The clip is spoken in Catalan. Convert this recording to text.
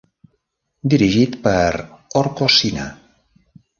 Dirigit per Orko Sinha.